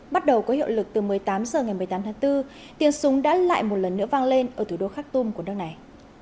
bắt đầu có hiệu lực từ một mươi tám h ngày một mươi tám tháng bốn tiền súng đã lại một lần nữa vang lên ở thủ đô khak tum của nước này